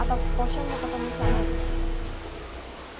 atau bosya mau ketemu sama